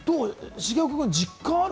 重岡君、実感ある？